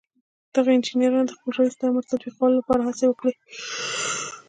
دغو انجنيرانو د خپل رئيس د امر تطبيقولو لپاره هڅې وکړې.